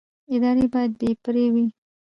ادارې باید بې پرې وي